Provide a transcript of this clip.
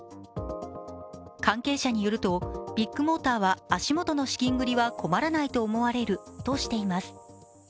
関係者によるとビッグモーターは足元の資金繰りは困らないと思われるとしています。